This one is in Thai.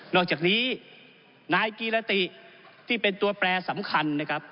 อกจากนี้นายกีรติที่เป็นตัวแปรสำคัญนะครับ